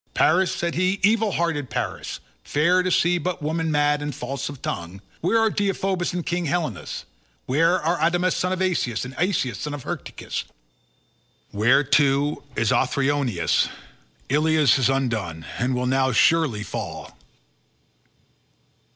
"Paris," said he, "evil hearted Paris, fair to see but woman mad and false of tongue, where are Deiphobus and King Helenus? Where are Adamas son of Asius, and Asius son of Hyrtacus? Where too is Othryoneus? Ilius is undone and will now surely fall!"